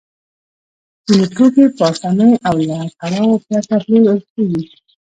ځینې توکي په اسانۍ او له کړاوه پرته پلورل کېږي